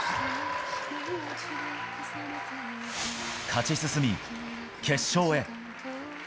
勝ち進み、決勝へ。